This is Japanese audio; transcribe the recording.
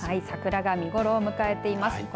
桜が見頃を迎えています。